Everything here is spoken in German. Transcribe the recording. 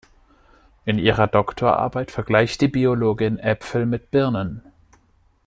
In ihrer Doktorarbeit vergleicht die Biologin Äpfel mit Birnen.